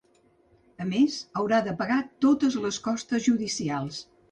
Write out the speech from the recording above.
A més, haurà de pagar totes les costes judicials.